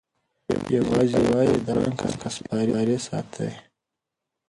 یوازی وایي دا قران که سیپارې ساتی